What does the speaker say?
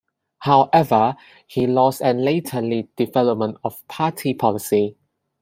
Howhever, he lost and later led development of party policy.